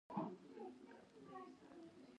د زاړه ښار له چاردیوالۍ چې ووتلې.